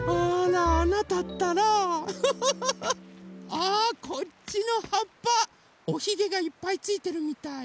あこっちのはっぱおひげがいっぱいついてるみたい。